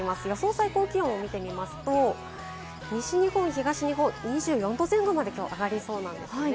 最高気温を見てみますと、西日本・東日本、２４度前後まで今日、上がりそうなんです。